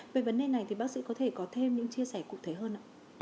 về vấn đề này thì bác sĩ có thể có thêm những chia sẻ cụ thể hơn ạ